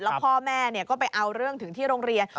แล้วพ่อแม่ก็ไปเอาเรื่องถึงที่โรงเรียน